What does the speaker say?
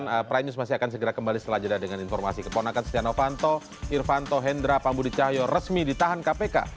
dan prime news masih akan segera kembali setelah jeda dengan informasi keponakan setia novanto irvanto hendra pambudit cahyo resmi di tahan kpk